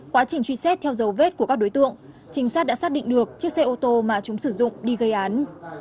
quá trình truy xét theo dấu vết của các đối tượng trinh sát đã xác định được chiếc xe ô tô mà chúng sử dụng đi gây án